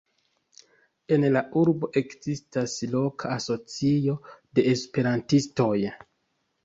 En la urbo ekzistas loka asocio de esperantistoj.